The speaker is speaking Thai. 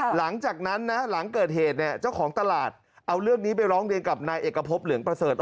หลังจากนั้นนะหลังเกิดเหตุเนี่ยเจ้าของตลาดเอาเรื่องนี้ไปร้องเรียนกับนายเอกพบเหลืองประเสริฐ